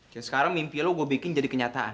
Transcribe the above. sekarang mimpi lu gue bikin jadi kenyataan